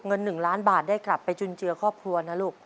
เงิน๑ล้านบาทได้กลับไปจุนเจือครอบครัวนะลูก